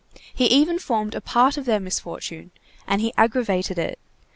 He even formed a part of their misfortune, and he aggravated it.